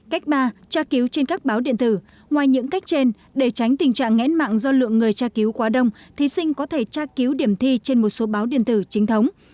cách ba tra cứu trên các báo điện tử ngoài những cách trên để tránh tình trạng nghẽn mạng do lượng người tra cứu quá đông thí sinh có thể tra cứu điểm thi trên một số báo điện tử chính thống